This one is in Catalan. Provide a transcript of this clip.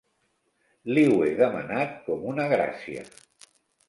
Li ho he demanat com una gràcia.